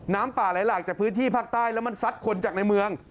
น้ำป่าไหลหลากจากพื้นที่ภาคใต้แล้วมันซัดคนจากในเมือง